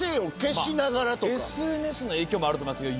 ＳＮＳの影響もあると思いますけど。